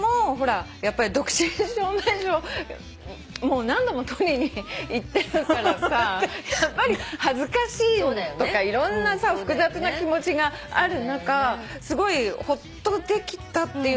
やっぱり独身証明書をもう何度も取りに行ってるからさやっぱり恥ずかしいとかいろんな複雑な気持ちがある中すごいほっとできたっていうのも。